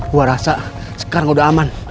gue rasa sekarang udah aman